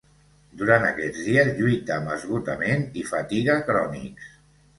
Durant aquests dies lluita amb esgotament i fatiga crònics.